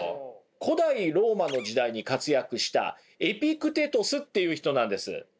古代ローマの時代に活躍したエピクテトスという人なんです。